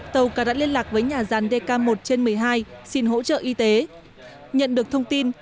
tàu cá đã liên lạc với nhà ràn dk một trên một mươi hai xin hỗ trợ y tế nhận được thông tin